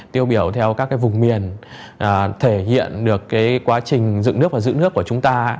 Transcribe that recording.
tiêu biểu theo các vùng miền thể hiện được quá trình dựng nước và giữ nước của chúng ta